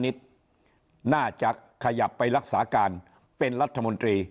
พนธนิษฐ์หน้าจากขยับไปรักษาการเป็นรัฐมนตรี